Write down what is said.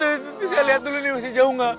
tuh saya liat dulu nih masih jauh gak